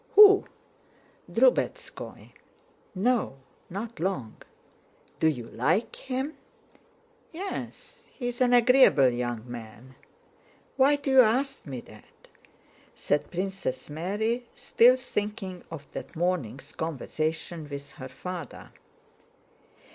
"Who?" "Drubetskóy." "No, not long...." "Do you like him?" "Yes, he is an agreeable young man.... Why do you ask me that?" said Princess Mary, still thinking of that morning's conversation with her father.